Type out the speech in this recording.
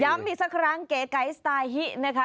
อีกสักครั้งเก๋ไก๋สไตล์ฮินะคะ